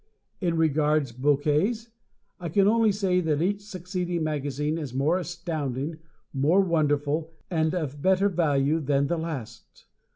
As regards bouquets, I can only say that each succeeding magazine is more astounding, more wonderful and of better value than the last.